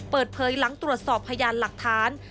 เปิดเผยหลังตรวจสอบพยานหลักฐาน